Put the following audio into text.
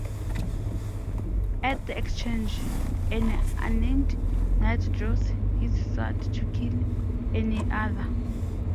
At the exchange, an unnamed knight draws his sword to kill an adder.